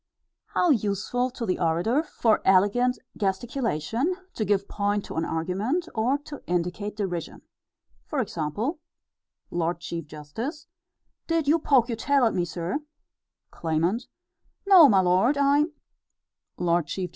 How useful to the orator, for elegant gesticulation, to give point to an argument, or to indicate derision. For example: Lord Chief Justice: Did you poke your tail at me, sir? Claimant: No, my lord; I _L. C. J.